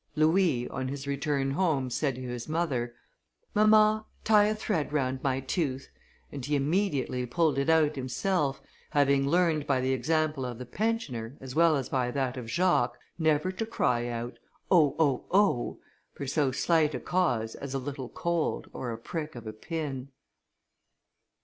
Louis, on his return home, said to his mother, "Mamma, tie a thread round my tooth," and he immediately pulled it out himself, having learned by the example of the pensioner, as well as by that of Jacques, never to cry out, "Oh! oh! oh!" for so slight a cause as a little cold, or a prick of a pin.